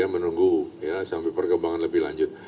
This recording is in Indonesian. menunggu ya sampai perkembangan lebih lanjut